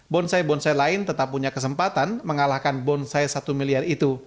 bonsai bonsai lain tetap punya kesempatan mengalahkan bonsai satu miliar itu